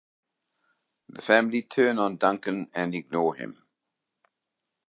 The family turn on Duncan and ignore him.